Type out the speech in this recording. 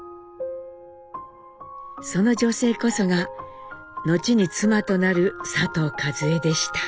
その女性こそが後に妻となる佐藤和江でした。